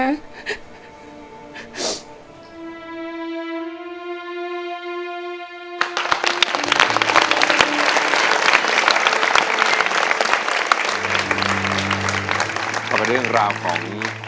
เอาไปเรื่องราวของ